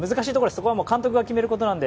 そこはもう監督が決めることなので。